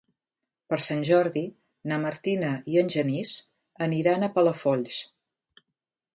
Per Sant Jordi na Martina i en Genís aniran a Palafolls.